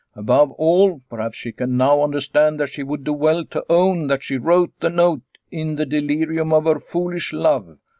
Above all, perhaps she can now understand that she would do well to own that she wrote the note in the delirium of her foolish love.